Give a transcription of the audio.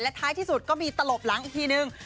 ท้ายที่สุดก็มีตลบหลังอีกทีนึง